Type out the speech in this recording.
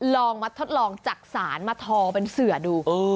ลองมาทดลองจักษานมาทอเป็นเสือดู